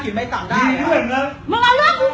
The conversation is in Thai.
ช่วยด้วยค่ะส่วนสุด